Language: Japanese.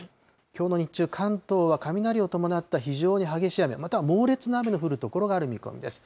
きょうの日中、関東は雷を伴った非常に激しい雨、または猛烈な雨の降る所がある見込みです。